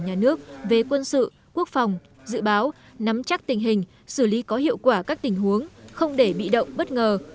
nhà nước về quân sự quốc phòng dự báo nắm chắc tình hình xử lý có hiệu quả các tình huống không để bị động bất ngờ